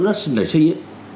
rất là xinh